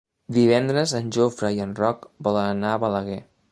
Divendres en Jofre i en Roc volen anar a Balaguer.